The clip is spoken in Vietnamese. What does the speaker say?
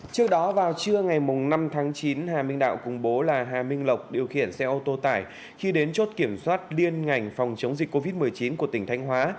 trước đó vào trưa ngày năm tháng chín hà minh đạo cùng bố là hà minh lộc điều khiển xe ô tô tải khi đến chốt kiểm soát liên ngành phòng chống dịch covid một mươi chín của tỉnh thanh hóa